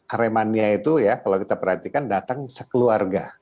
aremania itu ya kalau kita perhatikan datang sekeluarga